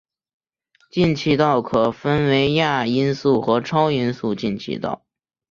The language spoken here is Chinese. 进气道可分为亚音速和超音速进气道。